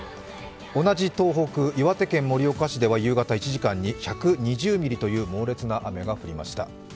同じ東北、岩手県盛岡市では夕方、１時間１２０ミリという猛烈な雨が降りました。